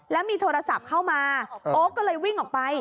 แล้วมีโทรศัพท์เข้ามาโอ๊คก็เลยวิ่งออกไป